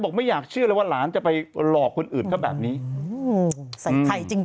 ไม่อยากเชื่อเลยว่าหลานจะไปหลอกคนอื่นเขาแบบนี้ใส่ไข่จริง